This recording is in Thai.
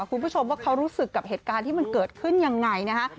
คุณผู้ชมว่าเขารู้สึกกับเหตุการณ์ที่มันเกิดขึ้นยังไงนะฮะ